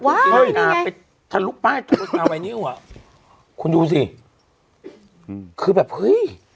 ว้าวนี่ไงถ้าลุกไปเอาไว้นิ้วอ่ะคุณดูสิอืมคือแบบเฮ้ย